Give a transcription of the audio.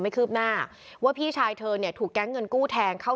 คืบหน้าว่าพี่ชายเธอเนี่ยถูกแก๊งเงินกู้แทงเข้า